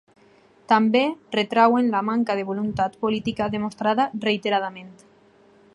També retreuen la manca de voluntat política demostrada reiteradament.